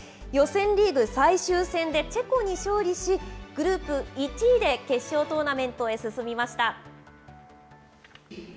予選リーグ最終戦で、チェコに勝利し、グループ１位で決勝トーナメントへ進みました。